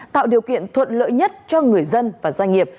tạo điều kiện thuận lợi nhất cho người dân và doanh nghiệp